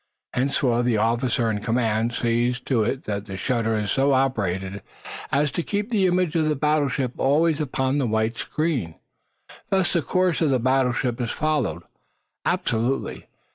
Henceforth the officer in command sees to it that the shutter is so operated as to keep the image of the battleship always upon the white screen map. Thus the course of the battleship is followed absolutely.